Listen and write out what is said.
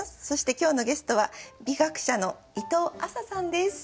そして今日のゲストは美学者の伊藤亜紗さんです。